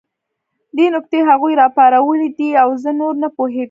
دې نکتې هغوی راپارولي دي او زه نور نه پوهېږم